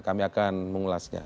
kami akan mengulasnya